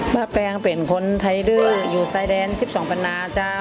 ป้าแปงเป็นคนไทยรื่ออยู่ซ้ายแดนชิบสองปันนาเจ้า